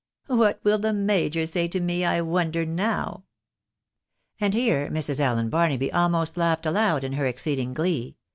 What will the major say to me, I wonder, now ?" And here Mrs. Allen Barnaby almost laughed aloud in her ex ceedi))g glee.